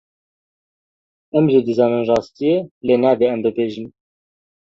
Em jî dizanin rastiyê lê nabe em bibêjin.